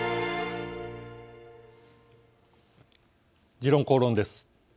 「時論公論」です。